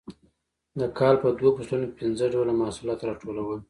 د کال په دوو فصلونو کې پنځه ډوله محصولات راټولول